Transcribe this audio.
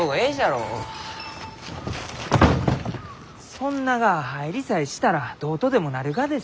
そんなが入りさえしたらどうとでもなるがですよ。